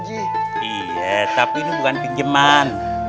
iya tapi ini bukan pinjaman